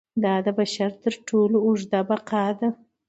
دا د بشر تر ټولو اوږده بقا ده.